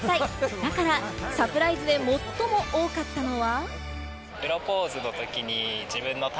だから、サプライズで最も多かったのは。